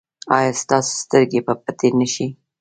ایا ستاسو سترګې به پټې نه شي؟